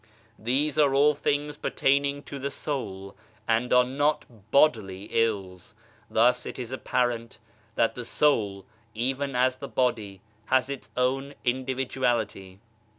These are all things pertaining to the soul, and are EVOLUTION OF THE SOUL 59 not bodily ills. Thus, it is apparent that the soul, even as the body, has its own individuality.